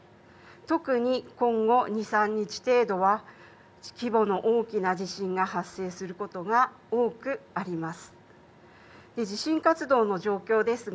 特に、今後、２、３日程度は、規模の大きな地震が発生することが多くあります。